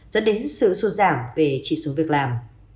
dẫn đến sự xuất giảm về trị xuống việc làm